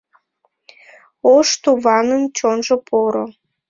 Ош туванын чонжо поро...